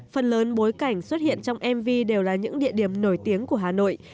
phần lớn bối cảnh xuất hiện trong mv đều là những địa điểm nổi tiếng của hà nội